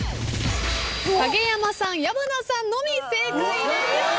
影山さん矢花さんのみ正解です。